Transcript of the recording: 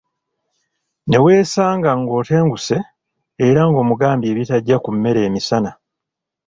Neweesanga “ng'otenguse”era ng’omugambye ebitajja ku mmere emisana.